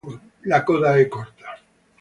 La coda è corta.